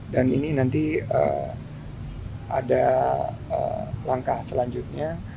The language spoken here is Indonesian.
dan ini nanti ada langkah selanjutnya